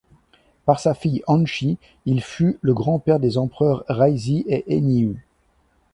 Par sa fille Anshi, il fut le grand-père des empereurs Reizei et Enyu.